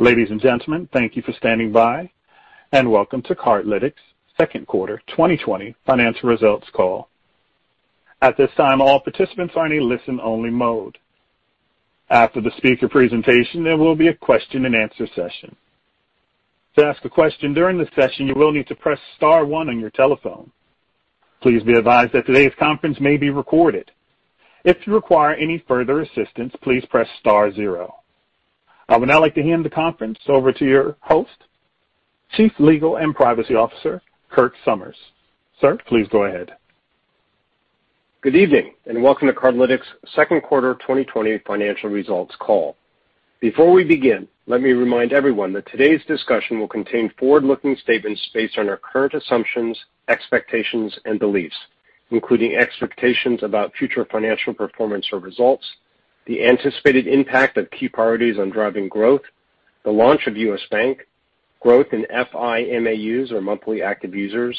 Ladies and gentlemen, thank you for standing by, and welcome to Cardlytics' Second Quarter 2020 Financial Results Call. At this time, all participants are in a listen-only mode. After the speaker presentation, there will be a question-and-answer session. To ask a question during the session, you will need to press star one on your telephone. Please be advised that today's conference may be recorded. If you require any further assistance, please press star zero. I would now like to hand the conference over to your host, Chief Legal and Privacy Officer, Kirk Somers. Sir, please go ahead. Good evening, welcome to Cardlytics' Second Quarter 2020 Financial Results Call. Before we begin, let me remind everyone that today's discussion will contain forward-looking statements based on our current assumptions, expectations, and beliefs, including expectations about future financial performance or results, the anticipated impact of key priorities on driving growth, the launch of U.S. Bank, growth in FI MAUs, or Monthly Active Users,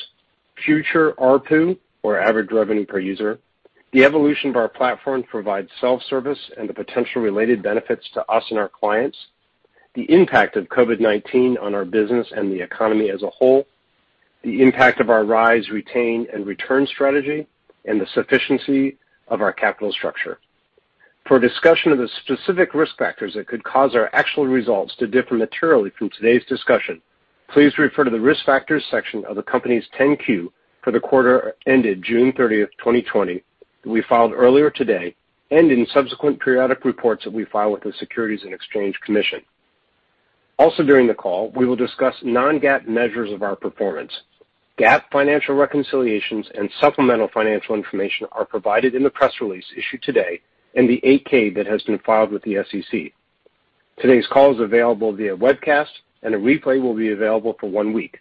future ARPU, or Average Revenue Per User, the evolution of our platform to provide self-service and the potential related benefits to us and our clients, the impact of COVID-19 on our business and the economy as a whole, the impact of our rise, retain, and return strategy, and the sufficiency of our capital structure. For a discussion of the specific risk factors that could cause our actual results to differ materially from today's discussion, please refer to the Risk Factors section of the company's 10-Q for the quarter ended June 30th, 2020 that we filed earlier today and in subsequent periodic reports that we file with the Securities and Exchange Commission. Also during the call, we will discuss non-GAAP measures of our performance. GAAP financial reconciliations and supplemental financial information are provided in the press release issued today and the 8-K that has been filed with the SEC. Today's call is available via webcast, and a replay will be available for one week.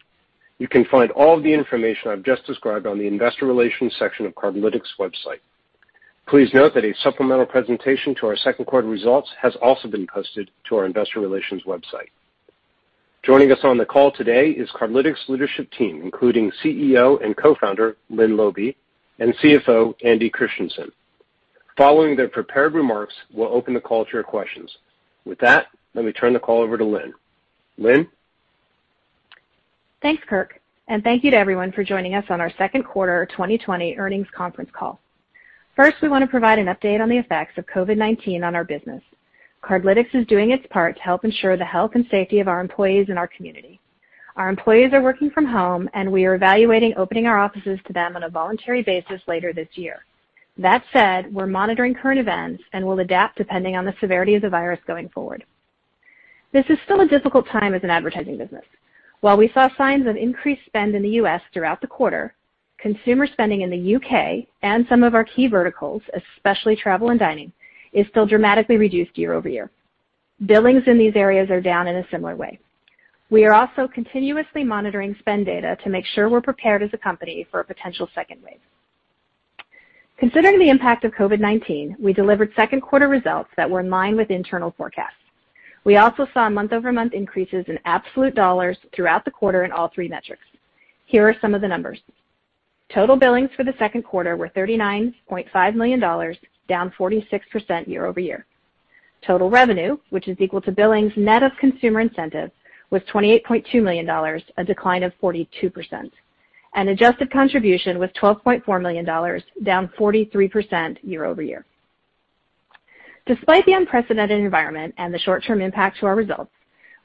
You can find all of the information I've just described on the investor relations section of Cardlytics' website. Please note that a supplemental presentation to our second quarter results has also been posted to our investor relations website. Joining us on the call today is Cardlytics' leadership team, including CEO and co-founder, Lynne Laube, and CFO, Andy Christiansen. Following their prepared remarks, we'll open the call to your questions. With that, let me turn the call over to Lynne. Lynne? Thanks, Kirk, and thank you to everyone for joining us on our second quarter 2020 earnings conference call. First, we want to provide an update on the effects of COVID-19 on our business. Cardlytics is doing its part to help ensure the health and safety of our employees and our community. Our employees are working from home, and we are evaluating opening our offices to them on a voluntary basis later this year. That said, we're monitoring current events and will adapt depending on the severity of the virus going forward. This is still a difficult time as an advertising business. While we saw signs of increased spend in the U.S. throughout the quarter, consumer spending in the U.K. and some of our key verticals, especially travel and dining, is still dramatically reduced year-over-year. Billings in these areas are down in a similar way. We are also continuously monitoring spend data to make sure we're prepared as a company for a potential second wave. Considering the impact of COVID-19, we delivered second quarter results that were in line with internal forecasts. We also saw month-over-month increases in absolute dollars throughout the quarter in all three metrics. Here are some of the numbers. Total billings for the second quarter were $39.5 million, down 46% year-over-year. Total revenue, which is equal to billings net of consumer incentive, was $28.2 million, a decline of 42%. Adjusted Contribution was $12.4 million, down 43% year-over-year. Despite the unprecedented environment and the short-term impact to our results,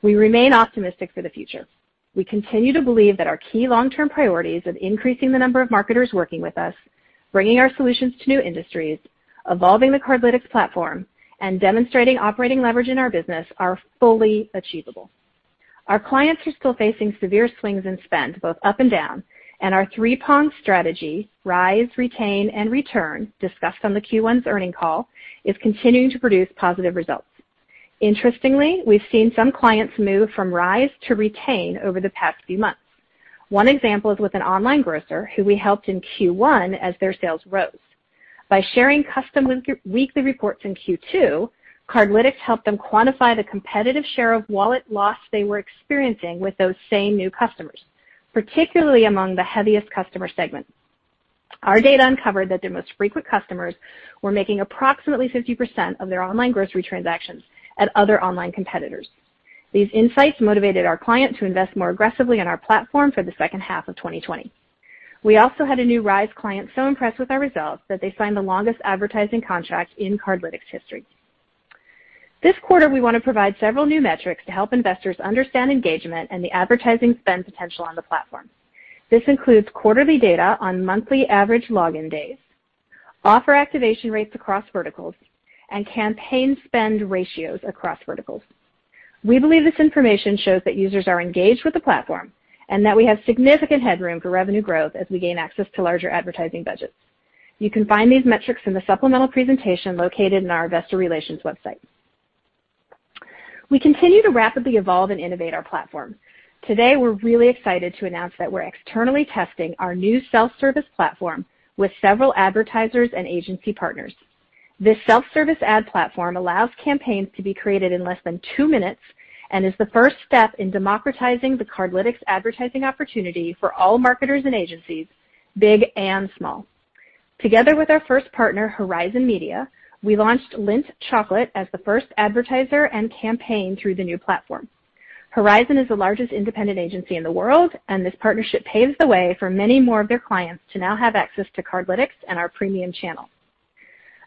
we remain optimistic for the future. We continue to believe that our key long-term priorities of increasing the number of marketers working with us, bringing our solutions to new industries, evolving the Cardlytics platform, and demonstrating operating leverage in our business are fully achievable. Our clients are still facing severe swings in spend, both up and down, and our three-prong strategy, rise, retain, and return, discussed on the Q1 earnings call, is continuing to produce positive results. Interestingly, we've seen some clients move from rise to retain over the past few months. One example is with an online grocer who we helped in Q1 as their sales rose. By sharing custom weekly reports in Q2, Cardlytics helped them quantify the competitive share of wallet loss they were experiencing with those same new customers, particularly among the heaviest customer segments. Our data uncovered that their most frequent customers were making approximately 50% of their online grocery transactions at other online competitors. These insights motivated our client to invest more aggressively in our platform for the second half of 2020. We also had a new rise client so impressed with our results that they signed the longest advertising contract in Cardlytics history. This quarter, we want to provide several new metrics to help investors understand engagement and the advertising spend potential on the platform. This includes quarterly data on monthly average login days, offer activation rates across verticals, and campaign spend ratios across verticals. We believe this information shows that users are engaged with the platform, and that we have significant headroom for revenue growth as we gain access to larger advertising budgets. You can find these metrics in the supplemental presentation located on our investor relations website. We continue to rapidly evolve and innovate our platform. Today, we're really excited to announce that we're externally testing our new self-service platform with several advertisers and agency partners. This self-service ad platform allows campaigns to be created in less than two minutes and is the first step in democratizing the Cardlytics advertising opportunity for all marketers and agencies, big and small. Together with our first partner, Horizon Media, we launched Lindt Chocolate as the first advertiser and campaign through the new platform. Horizon is the largest independent agency in the world, this partnership paves the way for many more of their clients to now have access to Cardlytics and our premium channel.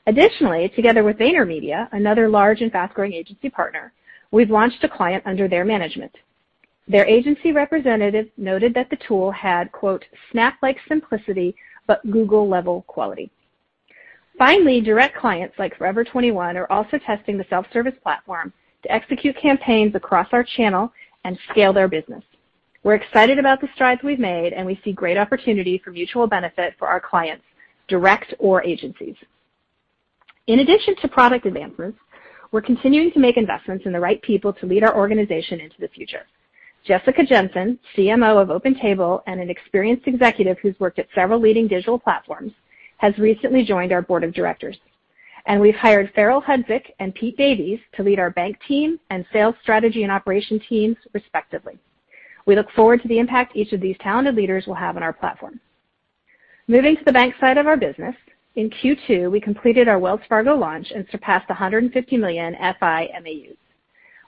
Additionally, together with VaynerMedia, another large and fast-growing agency partner, we've launched a client under their management. Their agency representative noted that the tool had, quote, "Snap-like simplicity but Google-level quality." Finally, direct clients like Forever 21 are also testing the self-service platform to execute campaigns across our channel and scale their business. We're excited about the strides we've made, and we see great opportunity for mutual benefit for our clients, direct or agencies. In addition to product advances, we're continuing to make investments in the right people to lead our organization into the future. Jessica Jensen, CMO of OpenTable and an experienced executive who's worked at several leading digital platforms, has recently joined our board of directors. We've hired Farrell Hudzik and Pete Davies to lead our bank team and sales strategy and operation teams, respectively. We look forward to the impact each of these talented leaders will have on our platform. Moving to the bank side of our business, in Q2, we completed our Wells Fargo launch and surpassed 150 million FI MAUs.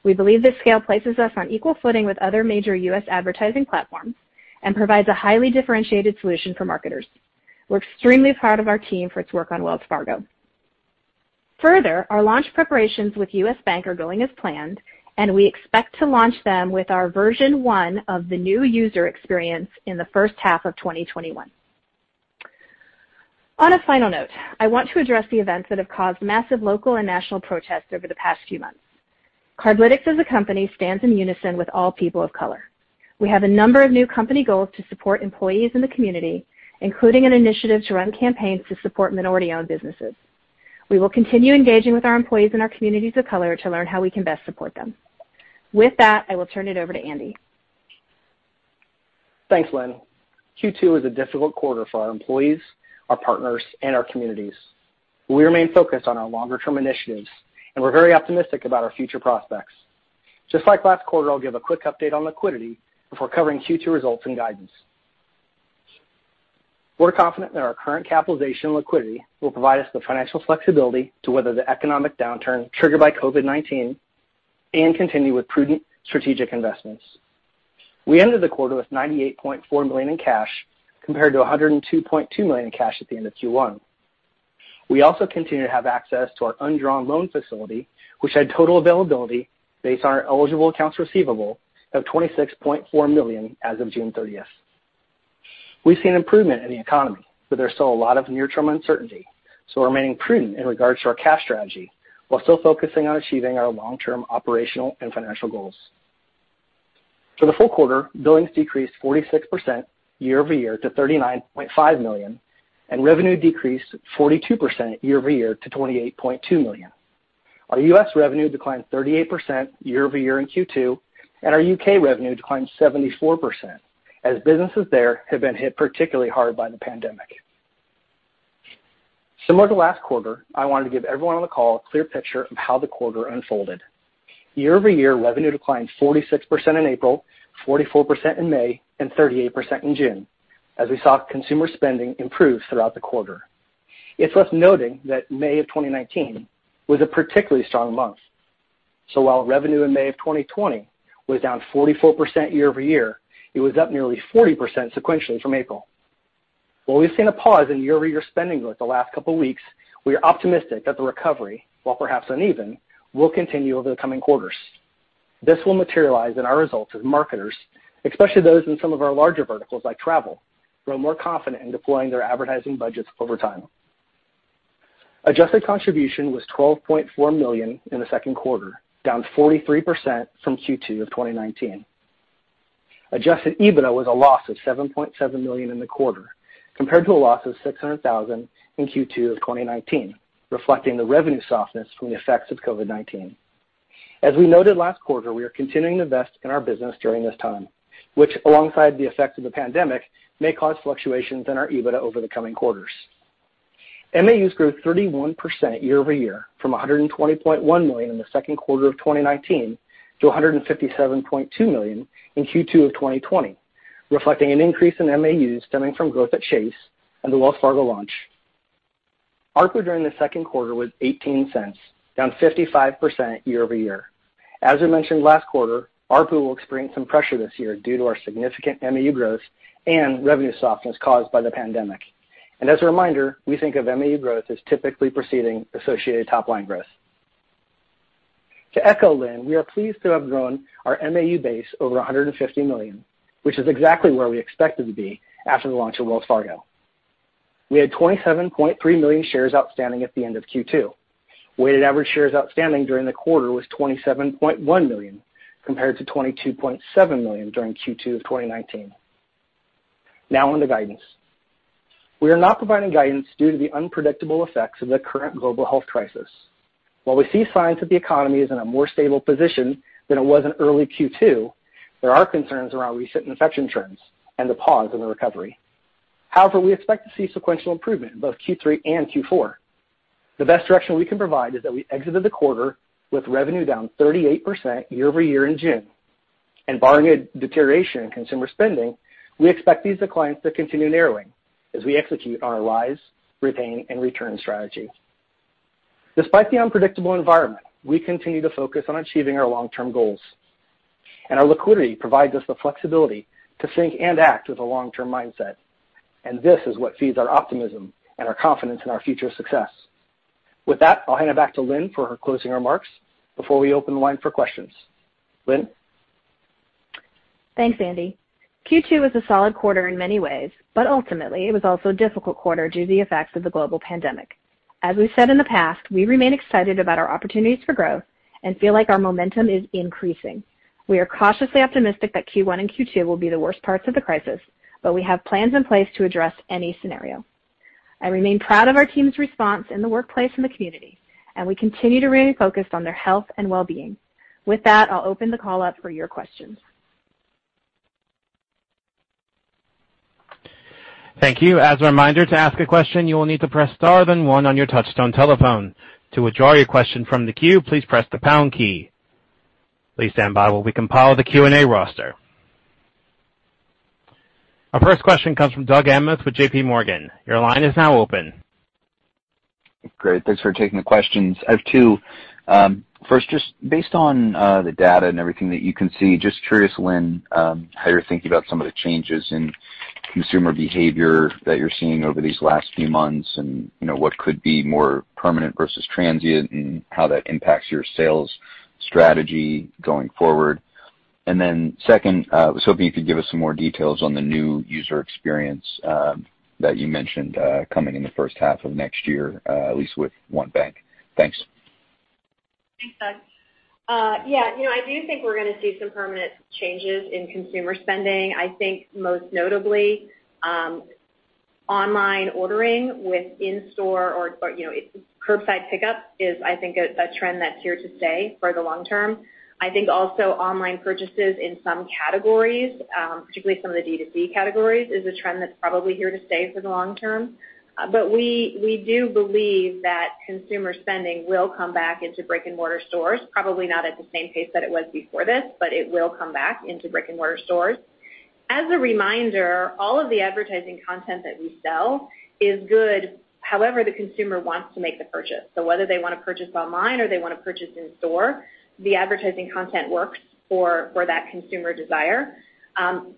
We believe this scale places us on equal footing with other major U.S. advertising platforms and provides a highly differentiated solution for marketers. We're extremely proud of our team for its work on Wells Fargo. Our launch preparations with U.S. Bank are going as planned, and we expect to launch them with our version one of the new user experience in the first half of 2021. On a final note, I want to address the events that have caused massive local and national protests over the past few months. Cardlytics, as a company, stands in unison with all people of color. We have a number of new company goals to support employees in the community, including an initiative to run campaigns to support minority-owned businesses. We will continue engaging with our employees in our communities of color to learn how we can best support them. With that, I will turn it over to Andy. Thanks, Lynne. Q2 was a difficult quarter for our employees, our partners, and our communities. We remain focused on our longer-term initiatives, we're very optimistic about our future prospects. Just like last quarter, I'll give a quick update on liquidity before covering Q2 results and guidance. We're confident that our current capitalization liquidity will provide us the financial flexibility to weather the economic downturn triggered by COVID-19 and continue with prudent strategic investments. We ended the quarter with $98.4 million in cash, compared to $102.2 million in cash at the end of Q1. We also continue to have access to our undrawn loan facility, which had total availability based on our eligible accounts receivable of $26.4 million as of June 30th. We've seen improvement in the economy, there's still a lot of near-term uncertainty, so we're remaining prudent in regards to our cash strategy while still focusing on achieving our long-term operational and financial goals. For the full quarter, billings decreased 46% year-over-year to $39.5 million, and revenue decreased 42% year-over-year to $28.2 million. Our U.S. revenue declined 38% year-over-year in Q2, and our U.K. revenue declined 74%, as businesses there have been hit particularly hard by the pandemic. Similar to last quarter, I wanted to give everyone on the call a clear picture of how the quarter unfolded. Year-over-year, revenue declined 46% in April, 44% in May, and 38% in June, as we saw consumer spending improve throughout the quarter. It's worth noting that May of 2019 was a particularly strong month. While revenue in May of 2020 was down 44% year-over-year, it was up nearly 40% sequentially from April. While we've seen a pause in year-over-year spending over the last couple of weeks, we are optimistic that the recovery, while perhaps uneven, will continue over the coming quarters. This will materialize in our results as marketers, especially those in some of our larger verticals like travel, grow more confident in deploying their advertising budgets over time. Adjusted Contribution was $12.4 million in the second quarter, down 43% from Q2 of 2019. Adjusted EBITDA was a loss of $7.7 million in the quarter, compared to a loss of $600,000 in Q2 of 2019, reflecting the revenue softness from the effects of COVID-19. As we noted last quarter, we are continuing to invest in our business during this time, which, alongside the effects of the pandemic, may cause fluctuations in our EBITDA over the coming quarters. MAUs grew 31% year-over-year from 120.1 million in the second quarter of 2019 to 157.2 million in Q2 of 2020, reflecting an increase in MAUs stemming from growth at Chase and the Wells Fargo launch. ARPU during the second quarter was $0.18, down 55% year-over-year. As we mentioned last quarter, ARPU will experience some pressure this year due to our significant MAU growth and revenue softness caused by the pandemic. As a reminder, we think of MAU growth as typically preceding associated top-line growth. To echo Lynne, we are pleased to have grown our MAU base over 150 million, which is exactly where we expected to be after the launch of Wells Fargo. We had 27.3 million shares outstanding at the end of Q2. Weighted average shares outstanding during the quarter was 27.1 million, compared to 22.7 million during Q2 of 2019. On to guidance. We are not providing guidance due to the unpredictable effects of the current global health crisis. While we see signs that the economy is in a more stable position than it was in early Q2, there are concerns around recent infection trends and the pause in the recovery. We expect to see sequential improvement in both Q3 and Q4. The best direction we can provide is that we exited the quarter with revenue down 38% year-over-year in June. Barring a deterioration in consumer spending, we expect these declines to continue narrowing as we execute our rise, retain, and return strategy. Despite the unpredictable environment, we continue to focus on achieving our long-term goals. Our liquidity provides us the flexibility to think and act with a long-term mindset. This is what feeds our optimism and our confidence in our future success. With that, I'll hand it back to Lynne for her closing remarks before we open the line for questions. Lynne? Thanks, Andy. Q2 was a solid quarter in many ways, but ultimately it was also a difficult quarter due to the effects of the global pandemic. As we've said in the past, we remain excited about our opportunities for growth and feel like our momentum is increasing. We are cautiously optimistic that Q1 and Q2 will be the worst parts of the crisis, but we have plans in place to address any scenario. I remain proud of our team's response in the workplace and the community, and we continue to remain focused on their health and wellbeing. With that, I'll open the call up for your questions. Thank you. As a reminder, to ask a question, you will need to press star, then one on your touchtone telephone. To withdraw your question from the queue, please press the pound key. Please stand by while we compile the Q&A roster. Our first question comes from Doug Anmuth with JPMorgan. Your line is now open. Great. Thanks for taking the questions. I have two. First, just based on the data and everything that you can see, just curious, Lynne, how you're thinking about some of the changes in consumer behavior that you're seeing over these last few months and what could be more permanent versus transient, and how that impacts your sales strategy going forward. Second, I was hoping you could give us some more details on the new user experience that you mentioned coming in the first half of next year, at least with one bank. Thanks. Thanks, Doug. Yeah, I do think we're going to see some permanent changes in consumer spending. I think most notably, online ordering with in-store or curbside pickup is, I think, a trend that's here to stay for the long term. I think also online purchases in some categories, particularly some of the D2C categories, is a trend that's probably here to stay for the long term. We do believe that consumer spending will come back into brick-and-mortar stores, probably not at the same pace that it was before this, but it will come back into brick-and-mortar stores. As a reminder, all of the advertising content that we sell is good however the consumer wants to make the purchase. Whether they want to purchase online or they want to purchase in store, the advertising content works for that consumer desire.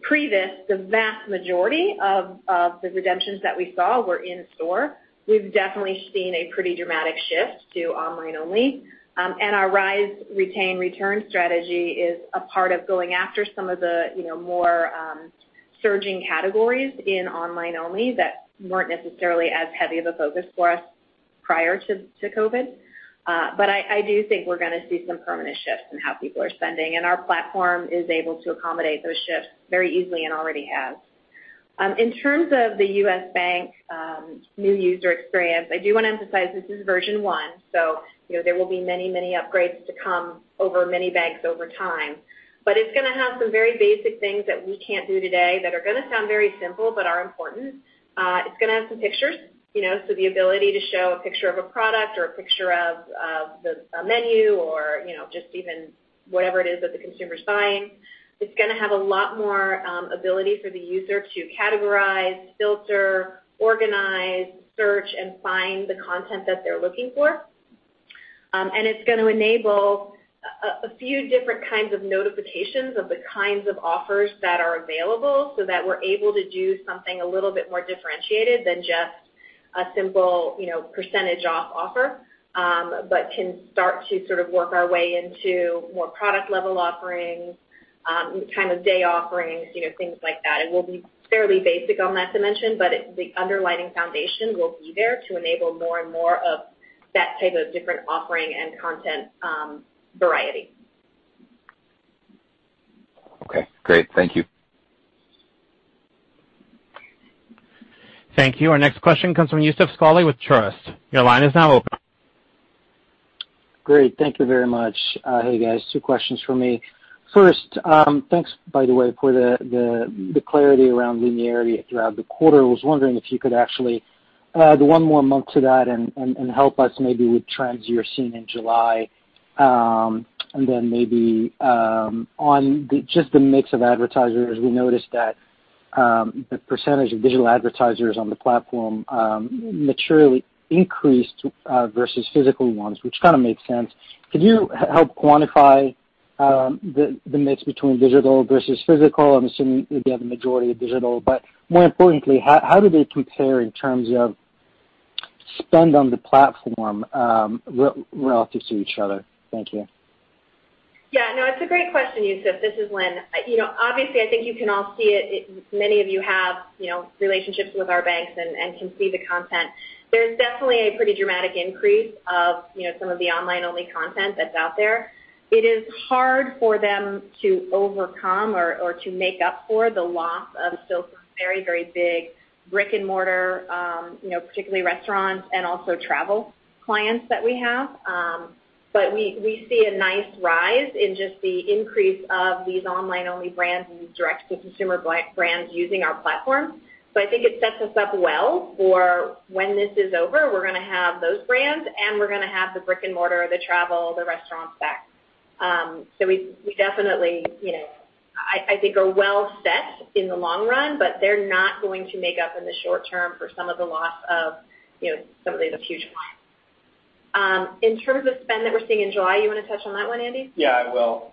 Pre this, the vast majority of the redemptions that we saw were in store. We've definitely seen a pretty dramatic shift to online only. Our rise, retain, return strategy is a part of going after some of the more surging categories in online only that weren't necessarily as heavy of a focus for us prior to COVID-19. I do think we're going to see some permanent shifts in how people are spending, and our platform is able to accommodate those shifts very easily and already has. In terms of the U.S. Bank new user experience, I do want to emphasize this is version one, so there will be many, many upgrades to come over many banks over time. It's going to have some very basic things that we can't do today that are going to sound very simple, but are important. It's going to have some pictures. The ability to show a picture of a product or a picture of a menu or just even whatever it is that the consumer's buying. It's going to have a lot more ability for the user to categorize, filter, organize, search, and find the content that they're looking for. It's going to enable a few different kinds of notifications of the kinds of offers that are available so that we're able to do something a little bit more differentiated than just a simple percentage off offer. Can start to sort of work our way into more product level offerings, time of day offerings, things like that. It will be fairly basic on that dimension, but the underlying foundation will be there to enable more and more of that type of different offering and content variety. Okay, great. Thank you. Thank you. Our next question comes from Youssef Squali with Truist. Your line is now open. Great. Thank you very much. Hey, guys. Two questions from me. First, thanks by the way, for the clarity around linearity throughout the quarter. I was wondering if you could actually add one more month to that and help us maybe with trends you're seeing in July. Then maybe on just the mix of advertisers, we noticed that the percentage of digital advertisers on the platform materially increased versus physical ones, which kind of makes sense. Could you help quantify the mix between digital versus physical? I'm assuming that you have the majority of digital. More importantly, how do they compare in terms of spend on the platform relative to each other? Thank you. Yeah, no, it's a great question, Youssef. This is Lynne. Obviously, I think you can all see it. Many of you have relationships with our banks and can see the content. There's definitely a pretty dramatic increase of some of the online-only content that's out there. It is hard for them to overcome or to make up for the loss of still some very, very big brick and mortar, particularly restaurants and also travel clients that we have. We see a nice rise in just the increase of these online-only brands and these direct-to-consumer brands using our platform. I think it sets us up well for when this is over. We're going to have those brands, and we're going to have the brick-and-mortar, the travel, the restaurants back. We definitely, I think, are well set in the long run, but they're not going to make up in the short term for some of the loss of some of these huge clients. In terms of spend that we're seeing in July, you want to touch on that one, Andy? Yeah, I will.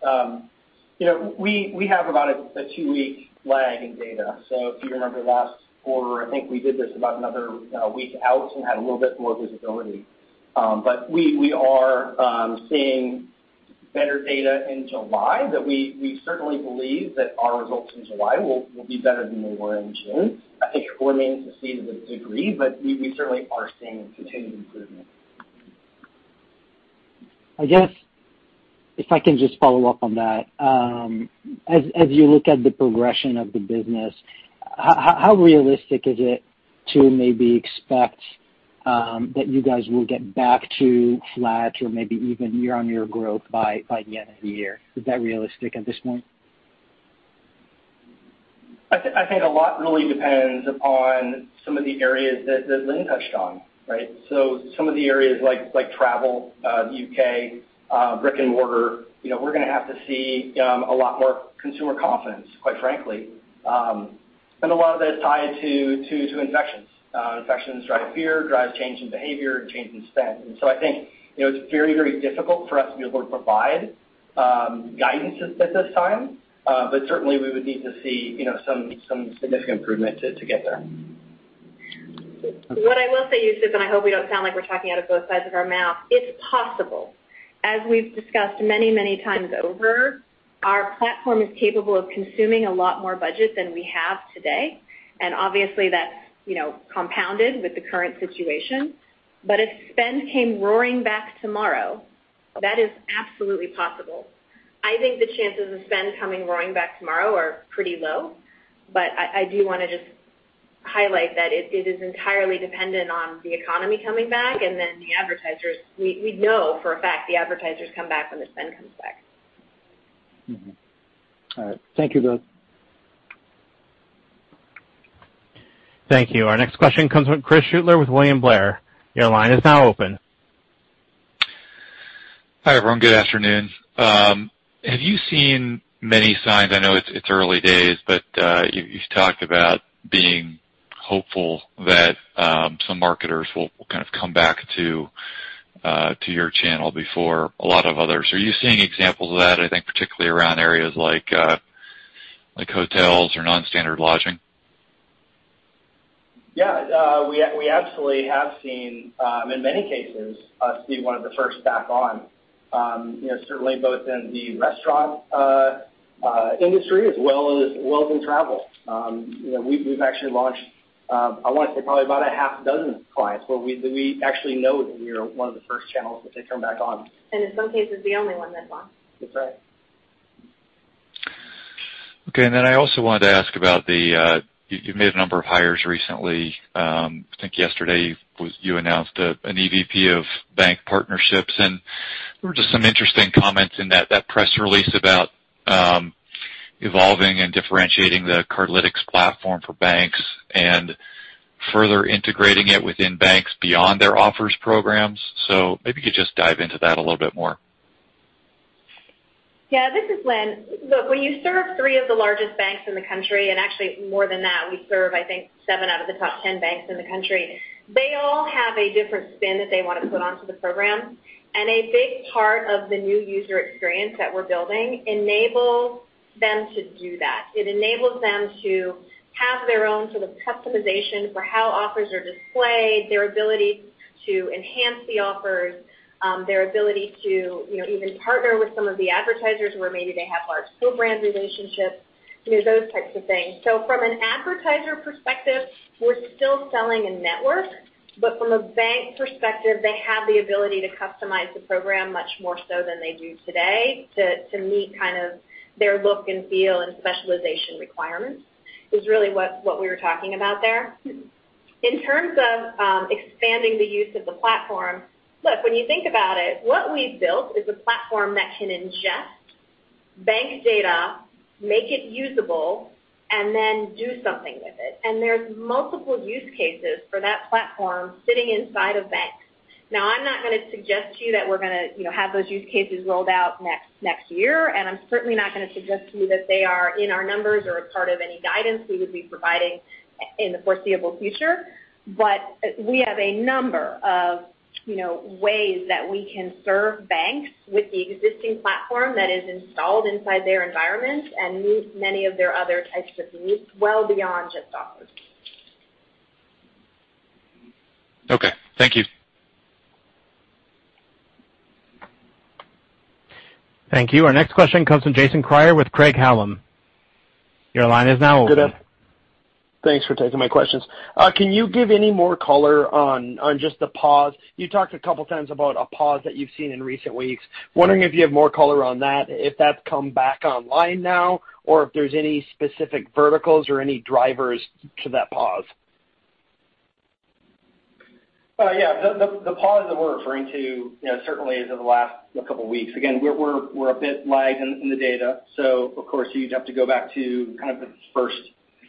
We have about a two-week lag in data. If you remember last quarter, I think we did this about another week out and had a little bit more visibility. We are seeing better data in July that we certainly believe that our results in July will be better than they were in June. I think it remains to be seen to what degree, but we certainly are seeing continued improvement. I guess, if I can just follow up on that. As you look at the progression of the business, how realistic is it to maybe expect that you guys will get back to flat or maybe even year-on-year growth by the end of the year? Is that realistic at this point? I think a lot really depends on some of the areas that Lynne touched on, right? Some of the areas like travel, the U.K., brick-and-mortar, we're going to have to see a lot more consumer confidence, quite frankly. A lot of that is tied to infections. Infections drive fear, drives change in behavior and change in spend. I think it's very, very difficult for us to be able to provide guidance at this time. Certainly, we would need to see some significant improvement to get there. What I will say, Youssef, I hope we don't sound like we're talking out of both sides of our mouth, it's possible. As we've discussed many, many times over, our platform is capable of consuming a lot more budget than we have today, and obviously that's compounded with the current situation. If spend came roaring back tomorrow, that is absolutely possible. I think the chances of spend coming roaring back tomorrow are pretty low, I do want to just highlight that it is entirely dependent on the economy coming back and then the advertisers. We know for a fact the advertisers come back when the spend comes back. All right. Thank you both. Thank you. Our next question comes from Chris Schuettler with William Blair. Your line is now open. Hi, everyone. Good afternoon. Have you seen many signs, I know it's early days, but you've talked about being hopeful that some marketers will kind of come back to your channel before a lot of others? Are you seeing examples of that, I think particularly around areas like hotels or non-standard lodging? Yeah. We absolutely have seen, in many cases, us be one of the first back on. Certainly both in the restaurant industry as well as in travel. We've actually launched, I want to say probably about a half dozen clients where we actually know that we are one of the first channels that they come back on. In some cases, the only one that's on. That's right. Okay, I also wanted to ask about the, you've made a number of hires recently. I think yesterday you announced an EVP of bank partnerships and there were just some interesting comments in that press release about evolving and differentiating the Cardlytics platform for banks and further integrating it within banks beyond their offers programs. Maybe you could just dive into that a little bit more. Yeah, this is Lynne. Look, when you serve three of the largest banks in the country, actually more than that, we serve, I think, seven out of the top 10 banks in the country. They all have a different spin that they want to put onto the program, a big part of the new user experience that we're building enables them to do that. It enables them to have their own sort of customization for how offers are displayed, their ability to enhance the offers, their ability to even partner with some of the advertisers where maybe they have large co-brand relationships, those types of things. From an advertiser perspective, we're still selling a network, but from a bank perspective, they have the ability to customize the program much more so than they do today to meet kind of their look and feel and specialization requirements, is really what we were talking about there. In terms of expanding the use of the platform, look, when you think about it, what we've built is a platform that can ingest bank data, make it usable, and then do something with it. There's multiple use cases for that platform sitting inside of banks. I'm not going to suggest to you that we're going to have those use cases rolled out next year, and I'm certainly not going to suggest to you that they are in our numbers or a part of any guidance we would be providing in the foreseeable future. We have a number of ways that we can serve banks with the existing platform that is installed inside their environments and meet many of their other types of needs well beyond just offers. Okay. Thank you. Thank you. Our next question comes from Jason Kreyer with Craig-Hallum. Your line is now open. Good afternoon. Thanks for taking my questions. Can you give any more color on just the pause? You talked a couple times about a pause that you've seen in recent weeks. Wondering if you have more color on that, if that's come back online now, or if there's any specific verticals or any drivers to that pause? Yeah. The pause that we're referring to certainly is over the last couple of weeks. We're a bit lagged in the data, of course you'd have to go back to kind of the first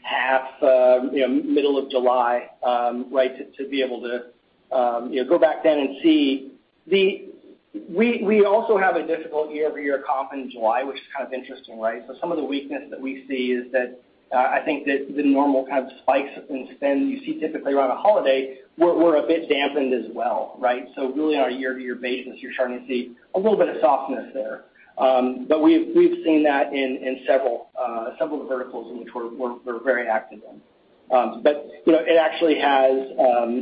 half, middle of July to be able to go back then and see. We also have a difficult year-over-year comp in July, which is kind of interesting, right? Some of the weakness that we see is that I think that the normal kind of spikes in spend you see typically around a holiday were a bit dampened as well, right? Really on a year-to-year basis, you're starting to see a little bit of softness there. We've seen that in several of the verticals in which we're very active in. It actually has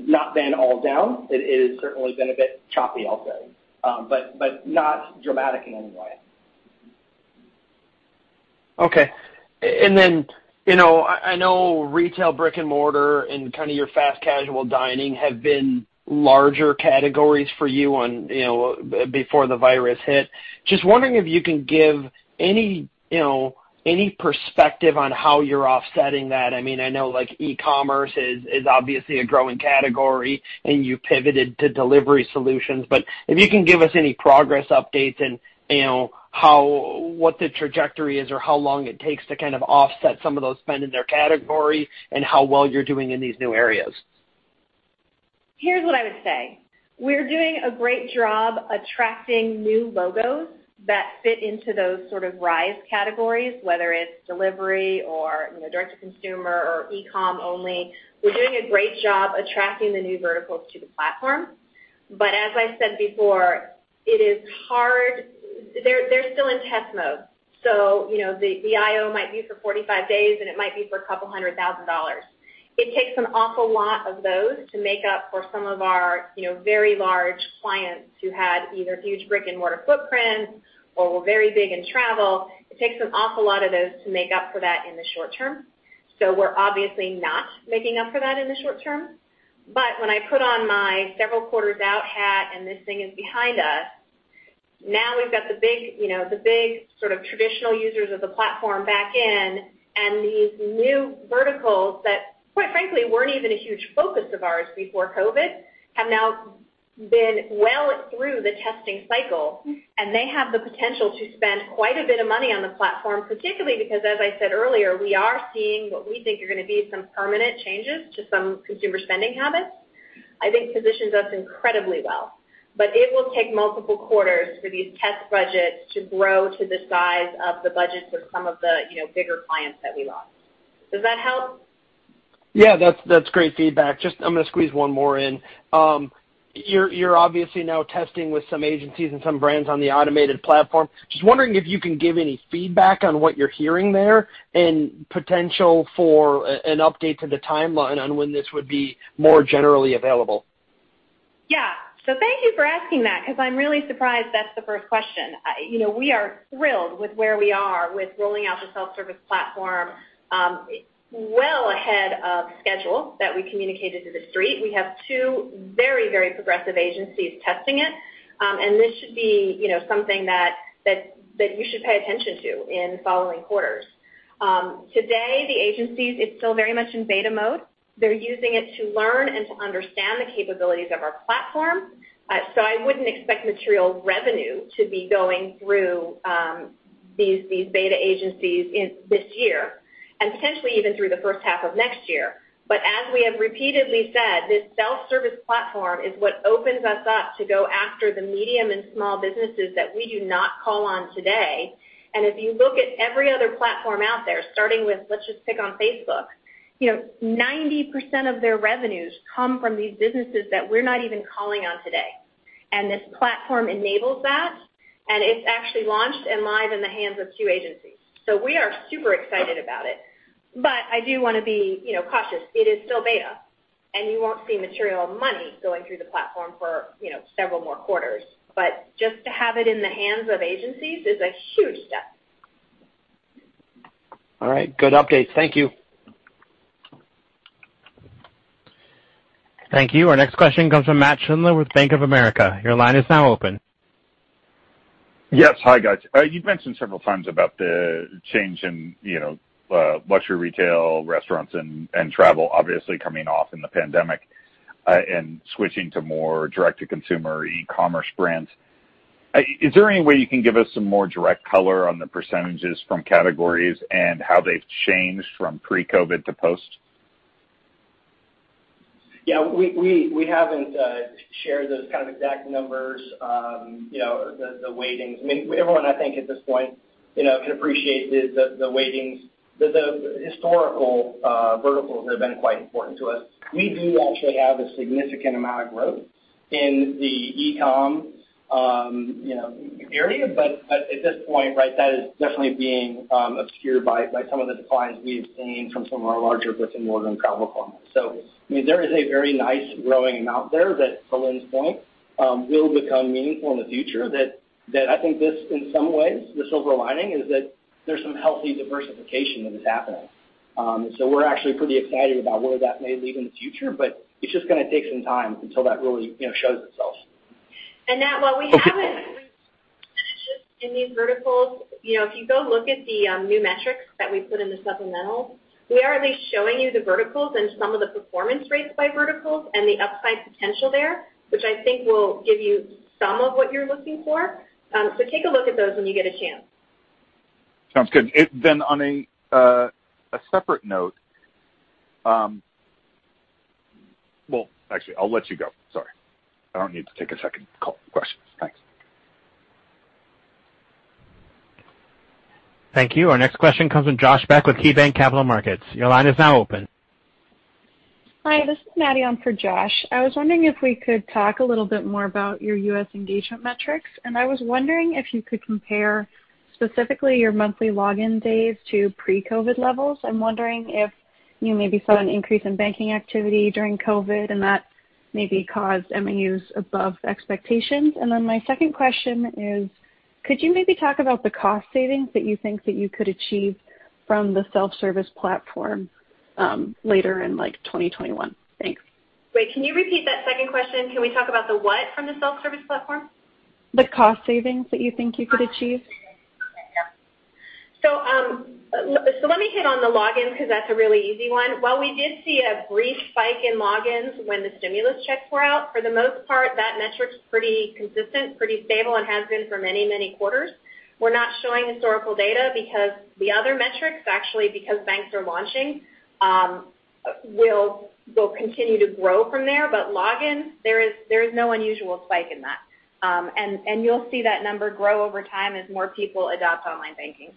not been all down. It has certainly been a bit choppy out there. Not dramatic in any way. Okay. I know retail brick and mortar and kind of your fast casual dining have been larger categories for you before the virus hit. Wondering if you can give any perspective on how you're offsetting that? I know e-commerce is obviously a growing category and you pivoted to delivery solutions, if you can give us any progress updates and what the trajectory is or how long it takes to kind of offset some of those spend in their category and how well you're doing in these new areas? Here's what I would say. We're doing a great job attracting new logos that fit into those sort of rise categories, whether it's delivery or direct to consumer or e-com only. We're doing a great job attracting the new verticals to the platform. As I said before, it is hard. The IO might be for 45 days, and it might be for a couple hundred thousand dollars. It takes an awful lot of those to make up for some of our very large clients who had either huge brick and mortar footprints or were very big in travel. It takes an awful lot of those to make up for that in the short term. We're obviously not making up for that in the short term. When I put on my several quarters out hat and this thing is behind us, now we've got the big sort of traditional users of the platform back in, and these new verticals that, quite frankly, weren't even a huge focus of ours before COVID-19, have now been well through the testing cycle, and they have the potential to spend quite a bit of money on the platform, particularly because, as I said earlier, we are seeing what we think are going to be some permanent changes to some consumer spending habits. I think positions us incredibly well. It will take multiple quarters for these test budgets to grow to the size of the budgets of some of the bigger clients that we lost. Does that help? Yeah, that's great feedback. I'm going to squeeze one more in. You're obviously now testing with some agencies and some brands on the automated platform. Wondering if you can give any feedback on what you're hearing there and potential for an update to the timeline on when this would be more generally available? Thank you for asking that because I'm really surprised that's the first question. We are thrilled with where we are with rolling out the self-service platform well ahead of schedule that we communicated to the street. We have two very progressive agencies testing it. This should be something that you should pay attention to in following quarters. Today, the agencies, it's still very much in beta mode. They're using it to learn and to understand the capabilities of our platform. I wouldn't expect material revenue to be going through these beta agencies this year, and potentially even through the first half of next year. As we have repeatedly said, this self-service platform is what opens us up to go after the medium and small businesses that we do not call on today. If you look at every other platform out there, starting with, let's just pick on Facebook, 90% of their revenues come from these businesses that we're not even calling on today. This platform enables that, and it's actually launched and live in the hands of two agencies. We are super excited about it. I do want to be cautious. It is still beta, and you won't see material money going through the platform for several more quarters. Just to have it in the hands of agencies is a huge step. All right. Good update. Thank you. Thank you. Our next question comes from Nat Schindler with Bank of America. Your line is now open. Yes. Hi, guys. You've mentioned several times about the change in luxury retail, restaurants, and travel, obviously coming off in the pandemic, and switching to more direct-to-consumer e-commerce brands. Is there any way you can give us some more direct color on the percentages from categories and how they've changed from pre-COVID-19 to post? Yeah, we haven't shared those kind of exact numbers, the weightings. Everyone, I think at this point can appreciate the weightings, the historical verticals that have been quite important to us. We do actually have a significant amount of growth in the e-com area. At this point, that is definitely being obscured by some of the declines we have seen from some of our larger brick and mortar and travel partners. There is a very nice growing amount there that, to Lynne's point, will become meaningful in the future. I think this, in some ways, the silver lining is that there's some healthy diversification that is happening. We're actually pretty excited about where that may lead in the future, but it's just going to take some time until that really shows itself. Matt, well, in these verticals. If you go look at the new metrics that we put in the supplementals, we are at least showing you the verticals and some of the performance rates by verticals and the upside potential there, which I think will give you some of what you're looking for. Take a look at those when you get a chance. Sounds good. Well, actually, I'll let you go. Sorry. I don't need to take a second question. Thanks. Thank you. Our next question comes from Josh Beck with KeyBanc Capital Markets. Your line is now open. Hi, this is Maddie on for Josh. I was wondering if we could talk a little bit more about your U.S. engagement metrics, and I was wondering if you could compare specifically your monthly login days to pre-COVID-19 levels. I'm wondering if you maybe saw an increase in banking activity during COVID-19, and that maybe caused MAUs above expectations. My second question is, could you maybe talk about the cost savings that you think that you could achieve from the self-service platform later in 2021? Thanks. Wait, can you repeat that second question? Can we talk about the what from the self-service platform? The cost savings that you think you could achieve. Let me hit on the login because that's a really easy one. While we did see a brief spike in logins when the stimulus checks were out, for the most part, that metric's pretty consistent, pretty stable, and has been for many quarters. We're not showing historical data because the other metrics, actually because banks are launching, will continue to grow from there. Logins, there is no unusual spike in that. You'll see that number grow over time as more people adopt online banking.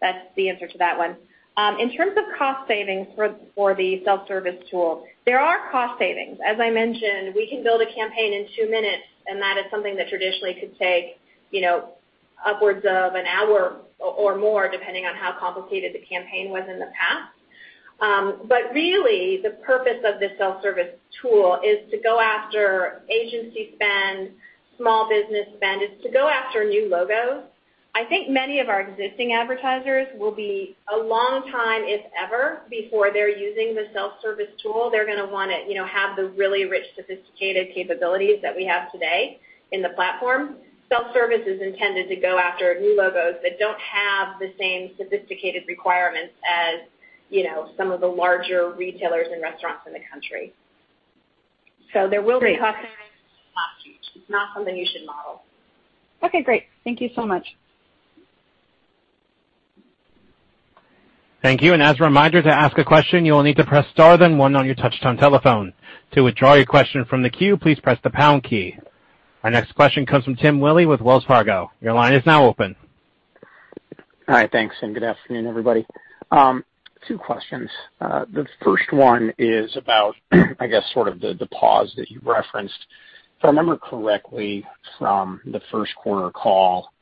That's the answer to that one. In terms of cost savings for the self-service tool, there are cost savings. As I mentioned, we can build a campaign in two minutes, and that is something that traditionally could take upwards of an hour or more, depending on how complicated the campaign was in the past. Really, the purpose of the self-service tool is to go after agency spend, small business spend. It's to go after new logos. I think many of our existing advertisers will be a long time, if ever, before they're using the self-service tool. They're going to want to have the really rich, sophisticated capabilities that we have today in the platform. Self-service is intended to go after new logos that don't have the same sophisticated requirements as some of the larger retailers and restaurants in the country. There will be cost savings. It's not something you should model. Okay, great. Thank you so much. Thank you. As a reminder, to ask a question, you will need to press star then one on your touch-tone telephone. To withdraw your question from the queue, please press the pound key. Our next question comes from Tim Willi with Wells Fargo. Your line is now open. Hi. Thanks, and good afternoon, everybody. Two questions. The first one is about I guess sort of the pause that you referenced. If I remember correctly from the first quarter call,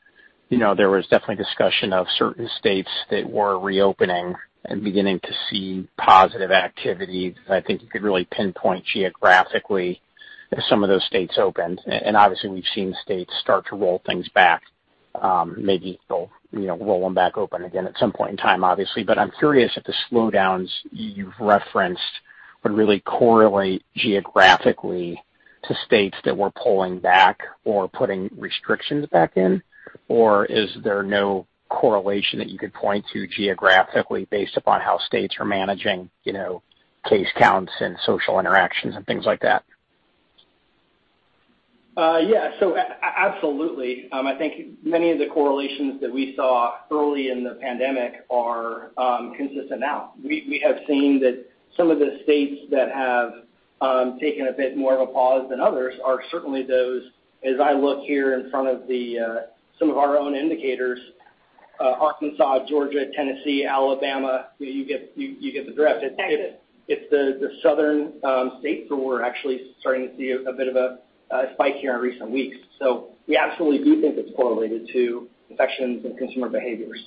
there was definitely discussion of certain states that were reopening and beginning to see positive activity that I think you could really pinpoint geographically as some of those states opened. Obviously, we've seen states start to roll things back. Maybe they'll roll them back open again at some point in time, obviously. I'm curious if the slowdowns you've referenced would really correlate geographically to states that were pulling back or putting restrictions back in, or is there no correlation that you could point to geographically based upon how states are managing case counts and social interactions and things like that? Yeah. Absolutely. I think many of the correlations that we saw early in the pandemic are consistent now. We have seen that some of the states that have taken a bit more of a pause than others are certainly those, as I look here in front of some of our own indicators, Arkansas, Georgia, Tennessee, Alabama. You get the drift. Texas. It's the southern states where we're actually starting to see a bit of a spike here in recent weeks. We absolutely do think it's correlated to infections and consumer behaviors.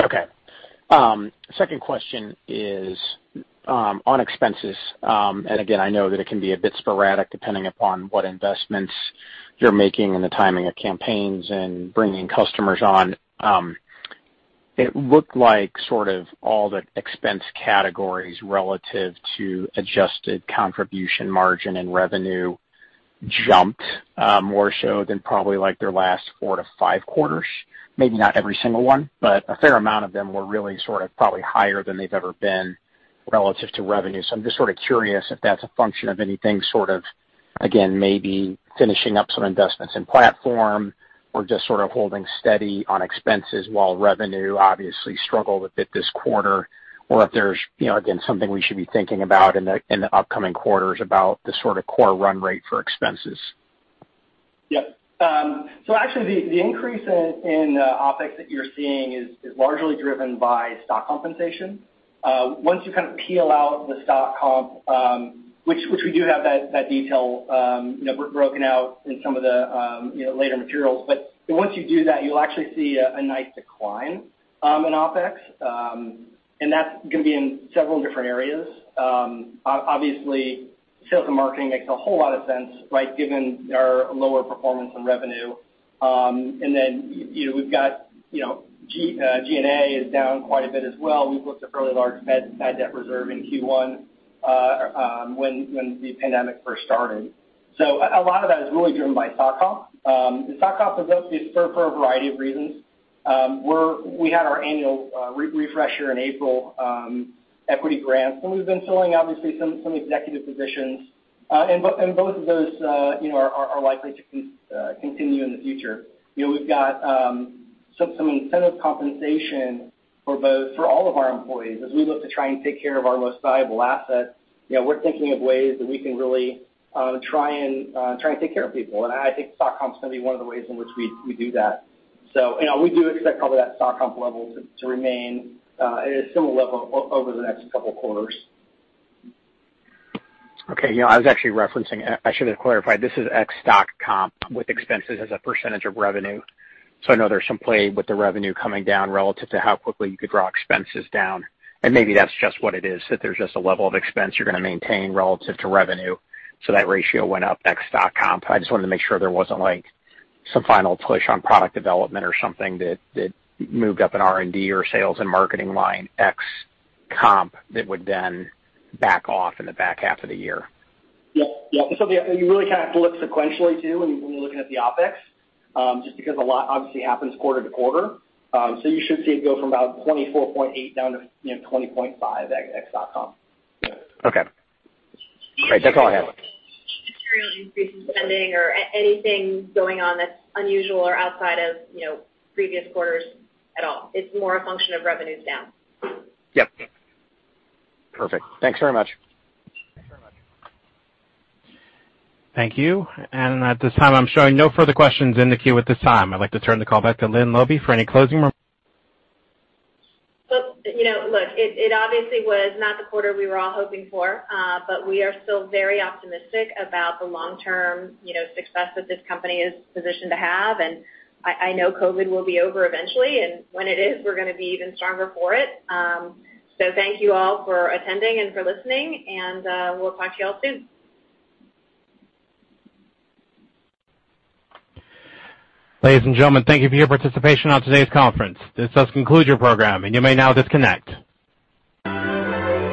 Okay. Second question is on expenses. Again, I know that it can be a bit sporadic depending upon what investments you're making and the timing of campaigns and bringing customers on. It looked like sort of all the expense categories relative to Adjusted Contribution margin and revenue jumped more so than probably like their last four to five quarters. Maybe not every single one, but a fair amount of them were really sort of probably higher than they've ever been relative to revenue. I'm just sort of curious if that's a function of anything sort of, again, maybe finishing up some investments in platform or just sort of holding steady on expenses while revenue obviously struggled a bit this quarter, or if there's, again, something we should be thinking about in the upcoming quarters about the sort of core run rate for expenses. Actually, the increase in OpEx that you're seeing is largely driven by stock compensation. Once you kind of peel out the stock comp, which we do have that detail broken out in some of the later materials. Once you do that, you'll actually see a nice decline in OpEx. That's going to be in several different areas. Obviously, sales and marketing makes a whole lot of sense, given our lower performance in revenue. We've got G&A is down quite a bit as well. We booked a fairly large bad debt reserve in Q1 when the pandemic first started. A lot of that is really driven by stock comp. Stock comp is up for a variety of reasons. We had our annual refresher in April, equity grants, and we've been filling, obviously, some executive positions. Both of those are likely to continue in the future. We've got some incentive compensation for all of our employees. As we look to try and take care of our most valuable asset, we're thinking of ways that we can really try and take care of people. I think stock comp's going to be one of the ways in which we do that. We do expect probably that stock comp level to remain at a similar level over the next couple of quarters. Okay. I was actually referencing, I should have clarified, this is ex-stock comp with expenses as a % of revenue. I know there's some play with the revenue coming down relative to how quickly you could draw expenses down. Maybe that's just what it is, that there's just a level of expense you're going to maintain relative to revenue. That ratio went up ex-stock comp. I just wanted to make sure there wasn't some final push on product development or something that moved up an R&D or sales and marketing line ex-comp that would then back off in the back half of the year. Yep. You really kind of have to look sequentially too, when you're looking at the OpEx, just because a lot obviously happens quarter-to-quarter. You should see it go from about $24.8 down to $20.5 ex-stock comp. Okay. Great. That's all I have. Material increase in spending or anything going on that's unusual or outside of previous quarters at all. It's more a function of revenues down. Yep. Perfect. Thanks very much. Thanks very much. Thank you. At this time, I'm showing no further questions in the queue at this time. I'd like to turn the call back to Lynne Laube for any closing remarks. Look, it obviously was not the quarter we were all hoping for. We are still very optimistic about the long-term success that this company is positioned to have. I know COVID will be over eventually, and when it is, we're going to be even stronger for it. Thank you all for attending and for listening, and we'll talk to you all soon. Ladies and gentlemen, thank you for your participation on today's conference. This does conclude your program, and you may now disconnect.